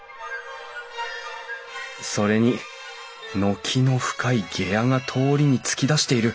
それに軒の深い下屋が通りに突き出している。